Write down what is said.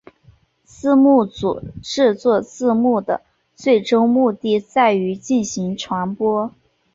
字幕组制作字幕的最终目的在于进行传播。